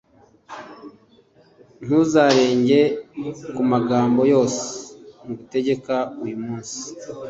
Ntuzarenge ku magambo yose ngutegeka uyu munsi,